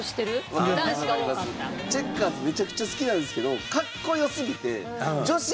チェッカーズめちゃくちゃ好きなんですけど。